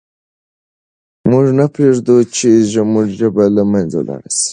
موږ نه پرېږدو چې زموږ ژبه له منځه ولاړه سي.